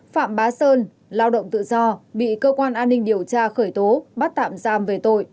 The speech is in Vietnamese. phạm bá sơn lao động tự do bị cơ quan an ninh điều tra khởi tố bắt tạm giam về tội